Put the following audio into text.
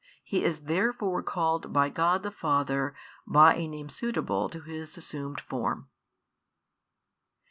He is therefore called by God the Father by a name suitable to His assumed form.